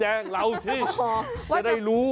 แจ้งเราสิจะได้รู้